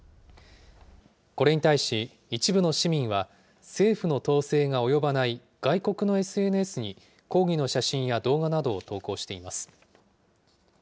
これに対し、一部の市民は政府の統制が及ばない外国のＳＮＳに抗議の写真や動画などを投稿しています。